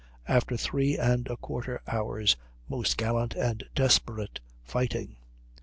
after three and a quarter hours' most gallant and desperate fighting.